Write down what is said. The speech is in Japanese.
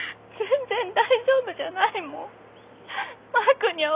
全然大丈夫じゃないもん。